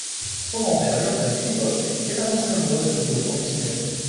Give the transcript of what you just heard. Son grand-père, Yordan Filipov, est un ancien joueur de football professionnel.